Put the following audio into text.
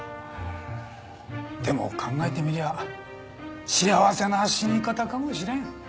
でも考えてみりゃ幸せな死に方かもしれん。